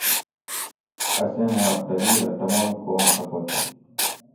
اسیں معطلی رہ تمام قوم خپہ تھی